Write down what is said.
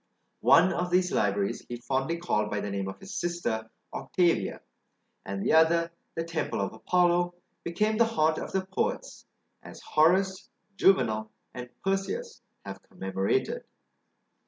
One of these libraries he fondly called by the name of his sister Octavia; and the other, the temple of Apollo, became the haunt of the poets, as Horace, Juvenal, and Persius have commemorated.